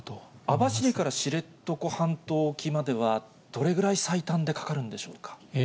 網走から知床半島沖までは、どれぐらい最短でかかるんでしょうか。